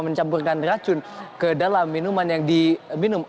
mencampurkan racun ke dalam minuman yang diminum